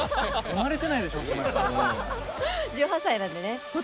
１８歳なんでね。